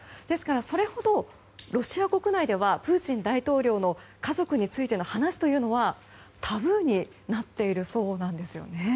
ですからそれほどロシア国内ではプーチン大統領の家族についての話というのはタブーになっているそうなんですね。